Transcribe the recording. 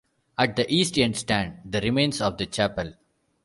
At the east end stand the remains of the chapel.